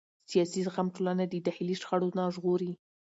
سیاسي زغم ټولنه د داخلي شخړو نه ژغوري